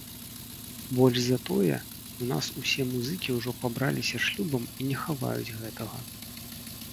Больш за тое, у нас усе музыкі ўжо пабраліся шлюбам і не хаваюць гэтага.